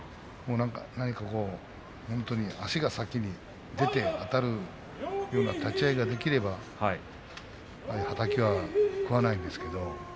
何か足が先に出てあたるような立ち合いができればああいうはたきは食わないんですけど。